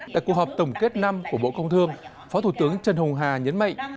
tại cuộc họp tổng kết năm của bộ công thương phó thủ tướng trần hùng hà nhấn mạnh